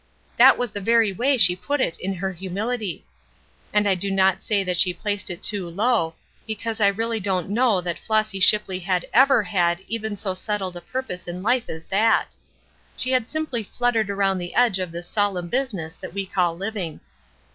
That was the very way she put it in her humility; and I do not say that she placed it too low, because really I don't know that Flossy Shipley had ever had even so settled a purpose in life as that! She had simply fluttered around the edge of this solemn business that we call living.